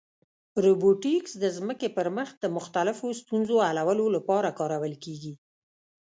روبوټیکس د ځمکې پر مخ د مختلفو ستونزو حلولو لپاره کارول کېږي.